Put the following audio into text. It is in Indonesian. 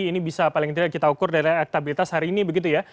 ini bisa paling tidak kita ukur dari elektabilitas hari ini begitu ya